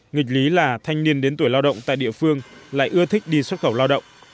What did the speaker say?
nghịch lý là thanh niên đến tuổi lao động tại địa phương lại ưa thích đi xuất khẩu lao động